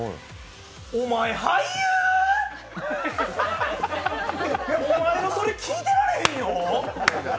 お前、俳優？お前のそれ、聞いてられへんよ。